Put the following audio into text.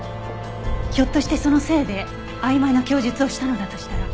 ひょっとしてそのせいで曖昧な供述をしたのだとしたら。